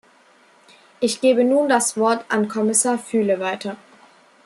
Ich gebe nun das Wort an Kommissar Füle weiter.